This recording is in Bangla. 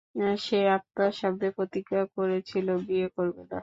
সে আপনার সামনে প্রতিজ্ঞা করেছিল বিয়ে করবে না।